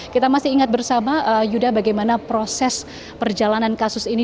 kita masih ingat bersama yuda bagaimana proses perjalanan kasus ini